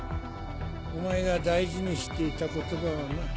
お前が大事にしていた言葉はな